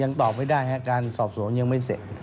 ตอบไม่ได้ครับการสอบสวนยังไม่เสร็จ